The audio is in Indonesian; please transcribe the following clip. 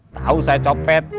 tau saya copet